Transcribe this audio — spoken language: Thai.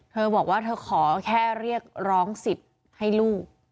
เธอบอกว่าเธอขอแค่เรียกร้องสิทธิ์ให้ลูก